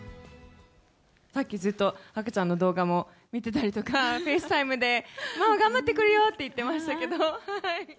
さっきずっと赤ちゃんの動画も見てたりとか、フェイスタイムで、ママ、頑張ってくるよって言ってましたけど。